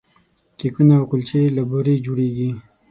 کیکونه او کلچې له بوري جوړیږي.